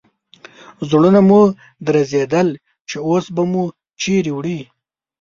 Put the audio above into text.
زړونه مو درزېدل چې اوس به مو چیرې وړي.